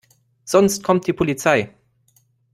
Sonst kommt die Polizei.